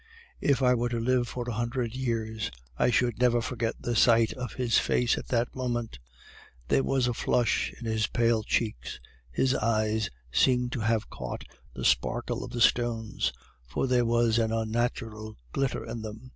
If I were to live for a hundred years, I should never forget the sight of his face at that moment. There was a flush in his pale cheeks; his eyes seemed to have caught the sparkle of the stones, for there was an unnatural glitter in them.